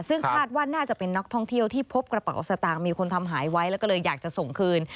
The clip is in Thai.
ซึ่งคาดว่าน่าจะเป็นนักท่องเที่ยวที่พบกระเป๋าสตางค์มีคนทำหายไว้แล้วก็เลยอยากจะส่งคืน